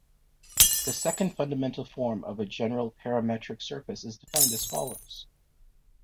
The second fundamental form of a general parametric surface is defined as follows.